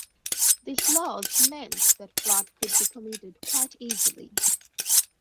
These laws meant that fraud could be committed quite easily.